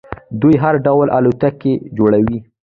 دوی هر ډول الوتکې جوړوي.